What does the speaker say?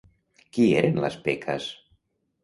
Qui eren Las Pecas?